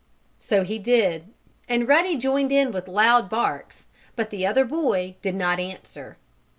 So he did, and Ruddy joined in with loud barks, but the other boy did not answer.